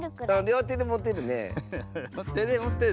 りょうてでもてるね。